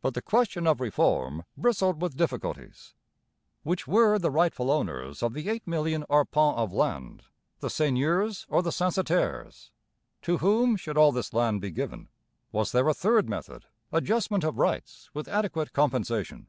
But the question of reform bristled with difficulties. Which were the rightful owners of the eight million arpents of land the seigneurs, or the censitaires? To whom should all this land be given? Was there a third method, adjustment of rights with adequate compensation?